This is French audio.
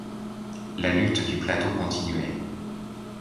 La lutte du plateau continuait.